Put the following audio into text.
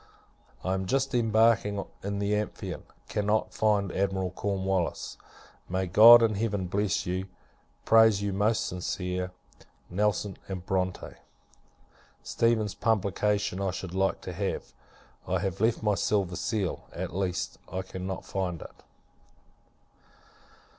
I am just embarking in the Amphion; cannot find Admiral Cornwallis. May God in Heaven bless you! prays your most sincere NELSON & BRONTE. Stephens's publication I should like to have. I have left my silver seal; at least, I cannot find it.